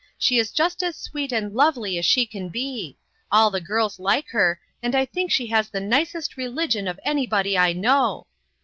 She is just as sweet and lovely as she can be. All the girls like her, and I think she has the nicest religion of any body I know